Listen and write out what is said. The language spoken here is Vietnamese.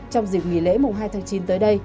trong dịp nghỉ lễ mùng hai tháng chín tới đây